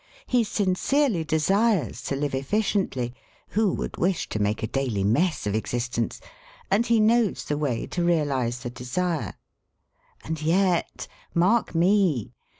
He sincerely desires to live efficiently who would wish to make a daily mess of existence? and he knows the way to realise the desire. And yet, mark me!